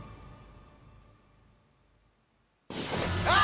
あ！